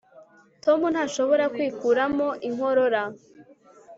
tom ntashobora kwikuramo inkorora